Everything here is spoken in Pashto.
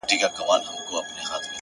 اراده د ستونزو پولې ماتوي!